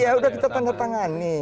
iya udah kita tangan tangan nih